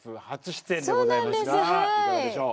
いかがでしょう？